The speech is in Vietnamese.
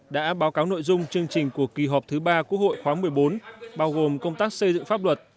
đã báo cáo nội dung chương trình của kỳ họp thứ ba quốc hội khóa một mươi bốn bao gồm công tác xây dựng pháp luật